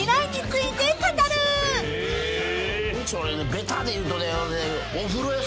ベタでいうとね。